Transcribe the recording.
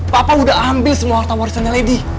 papa udah ambil semua harta warisannya lady